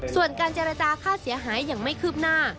ส่วนการเจรจาค่าเสียหายยังไม่คืบหน้า